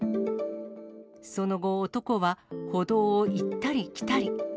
その後、男は歩道を行ったり来たり。